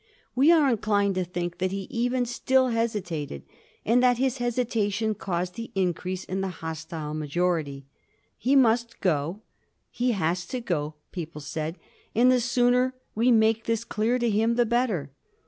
We are inclined to think that he even still hesitated, and that his hesitation caused the increase in the hostile majority. He must go — ^he has to go — ^people said ; and the sooner we make this clear to him the better.